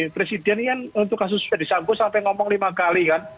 presiden ini kan untuk kasus ferdisambo sampai ngomong lima kali kan